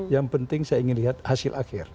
yang penting saya ingin lihat hasil akhir